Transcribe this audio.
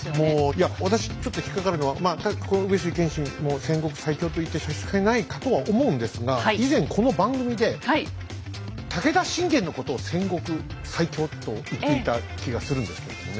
いや私ちょっと引っ掛かるのはこの上杉謙信も戦国最強と言って差し支えないかとは思うんですが以前この番組で武田信玄のことを「戦国最強」と言っていた気がするんですけれどもね。